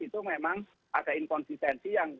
itu memang ada inkons experimentation